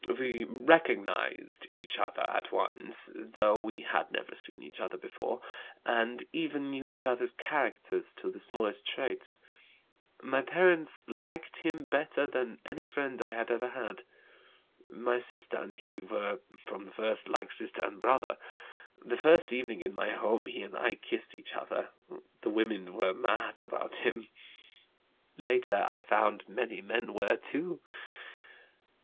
We 'recognized' each other at once, though we had never seen each other before, and even knew each other's characters to the smallest traits. My parents liked him better than any friend I had ever had. My sister and he were from the first like sister and brother. The first evening in my home he and I kissed each other. The women were mad about him. Later I found many men were too.